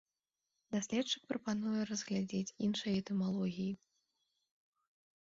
Даследчык прапануе разгледзець іншыя этымалогіі.